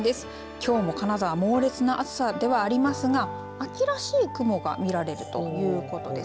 きょうも金沢猛烈な暑さではありますが秋らしい雲が見られるということです。